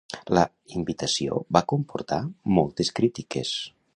La invitació va comportar moltes crítiques.